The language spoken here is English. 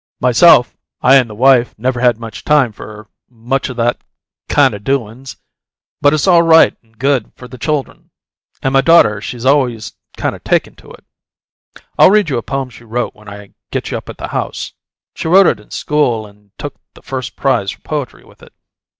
Myself, I and the wife never had time for much o' that kind o' doin's, but it's all right and good for the chuldern; and my daughter she's always kind of taken to it. I'll read you a poem she wrote when I get you up at the house. She wrote it in school and took the first prize for poetry with it.